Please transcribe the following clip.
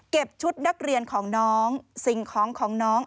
ชุดนักเรียนของน้องสิ่งของของน้อง